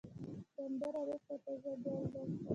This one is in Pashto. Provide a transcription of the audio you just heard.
سندره روح ته تازه ګل دی